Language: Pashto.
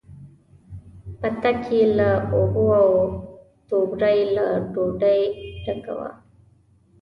پتک یې له اوبو، او توبره یې له ډوډۍ ډکه وه.